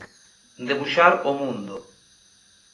Debuxar o mundo.